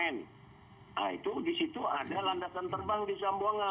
nah itu di situ ada landasan terbang di sambonga